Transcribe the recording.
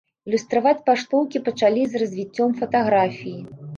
Ілюстраваць паштоўкі пачалі з развіццём фатаграфіі.